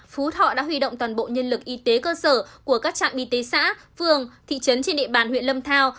phú thọ đã huy động toàn bộ nhân lực y tế cơ sở của các trạm y tế xã phường thị trấn trên địa bàn huyện lâm thao